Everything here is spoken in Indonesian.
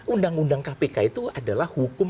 undang undang kpk itu adalah hukum